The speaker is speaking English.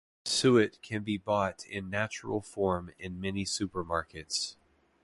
Suet can be bought in natural form in many supermarkets.